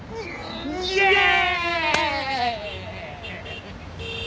イエーイ！